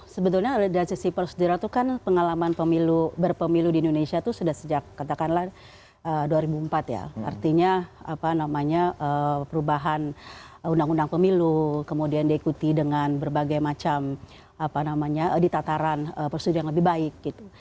sebetulnya dari sisi prosedural itu kan pengalaman pemilu berpemilu di indonesia itu sudah sejak katakanlah dua ribu empat ya artinya apa namanya perubahan undang undang pemilu kemudian diikuti dengan berbagai macam di tataran prosedur yang lebih baik gitu